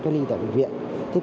theo dõi cách ly tại bệnh viện